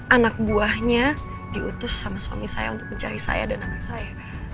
anak buahnya diutus sama suami saya untuk mencari saya dan anak saya